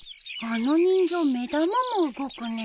あの人形目玉も動くね